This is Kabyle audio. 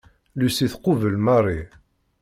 Lucie tqubel Marie.